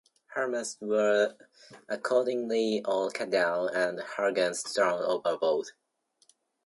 Her masts were accordingly all cut down, and her guns thrown overboard.